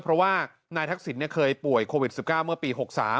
เพราะว่านายทักษิณเคยป่วยโควิด๑๙เมื่อปี๖๓